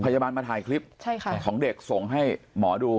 พยาบาลมาถ่ายคลิปของเด็กส่งให้หมอดู